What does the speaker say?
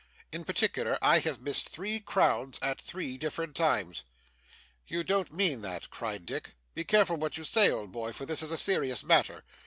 In particular, I have missed three half crowns at three different times.' 'You don't mean that?' cried Dick. 'Be careful what you say, old boy, for this is a serious matter.